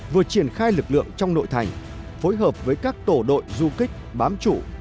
vừa triển khai lực lượng trong đội thành phối hợp với các tổ đội du kích bám chủ